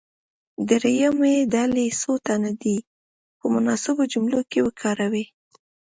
دریمې ډلې څو تنه دې په مناسبو جملو کې وکاروي.